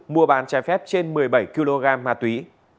mua bán trái phép trên một mươi bảy kg ma túy